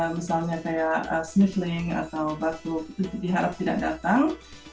misalnya kayak snifling atau batuk itu diharap tidak datang